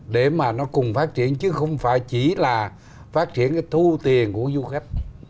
để mà nó cùng phát triển chứ không phải chỉ là phát triển cái thu tiền của du khách